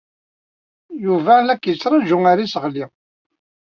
Yuba la k-yettṛaju ɣer yiseɣli.